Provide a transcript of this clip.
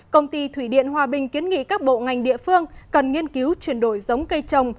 công ty thủy điện hòa bình kiến nghị các bộ ngành địa phương cần nghiên cứu chuyển đổi giống cây trồng